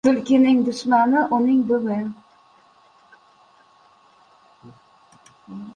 • Tulkining dushmani — uning dumi.